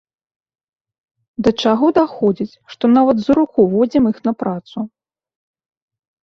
Да чаго даходзіць, што нават за руку водзім іх на працу.